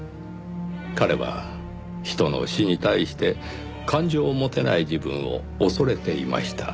彼は人の死に対して感情を持てない自分を恐れていました。